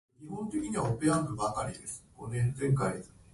眠たいです私は